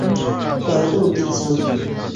劳动底层